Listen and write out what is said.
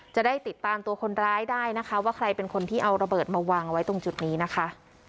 จะได้ติดตามตัวคนร้ายได้นะคะว่าใครเป็นคนที่เอาระเบิดมาวางไว้ตรงจุดนี้นะคะ